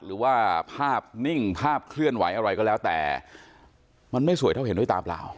หรือว่าภาพนิ่งภาพเคลื่อนไหวอะไรก็แล้วแต่มันไม่สวยเท่าเห็นด้วยตาเปล่า